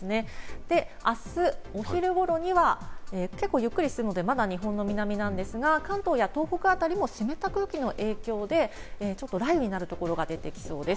そしてあす、お昼頃には結構ゆっくり進むので、まだ日本の南なんですが、関東や東北辺りも湿った空気の影響で、ちょっと雷雨になるところが出てきそうです。